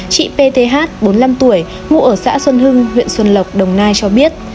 chị pth bốn mươi năm tuổi ngụ ở xã xuân hưng huyện xuân lộc đồng nai cho biết